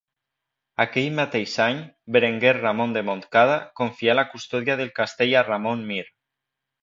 Aquell mateix any, Berenguer Ramon de Montcada confià la custòdia del castell a Ramon Mir.